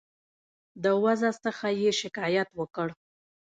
د وضع څخه یې شکایت وکړ.